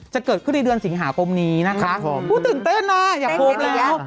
จะเกิดขึ้นในเดือนสิงหาคมนี้นะคะพูดตื่นเต้นนะอย่าโพสต์แล้ว